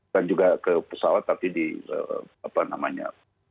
kan juga ke pesawat tapi di apa namanya